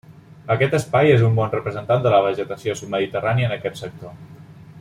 Aquest Espai és un bon representant de la vegetació submediterrània en aquest sector.